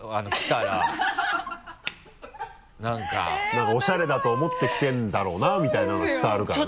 なんかおしゃれだと思って着てるんだろうなみたいなの伝わるからね。